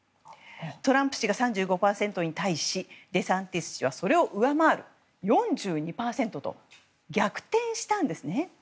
トランプ氏が３５％に対しデサンティス氏はそれを上回る４２％と逆転したんですね。